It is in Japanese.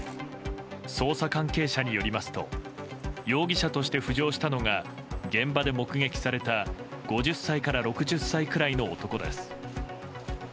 捜査関係者によりますと容疑者として浮上したのが現場で目撃された５０歳から６０歳くらいの男です。